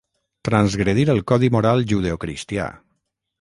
Transgredir el codi moral judeocristià.